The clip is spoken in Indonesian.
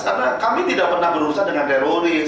karena kami tidak pernah berurusan dengan teroris